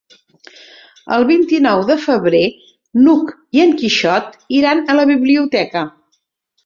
El vint-i-nou de febrer n'Hug i en Quixot iran a la biblioteca.